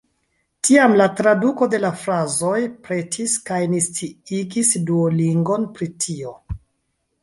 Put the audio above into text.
Tiam la traduko de la frazoj pretis kaj ni sciigis Duolingon pri tio.